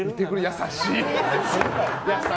優しい。